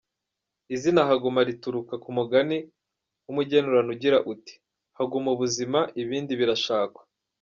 Izina Haguma rituruka ku mugani w’umugenurano ugira uti « Haguma ubuzima, ibindi birashakwa ».